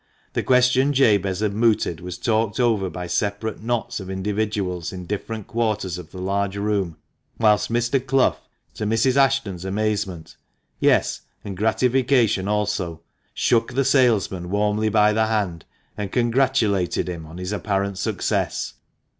The question Jabez had mooted was talked over by separate knots TKB MANCHESTER MAN. 307 of individuals in different quarters of the large room, whilst Mr. Clough, to Mrs. Ashton's amazement — yes, and gratification also — shook the salesman warmly by the hand, and congratulated him on his apparent success.